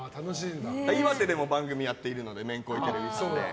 岩手でも番組やってるのでめんこいテレビで。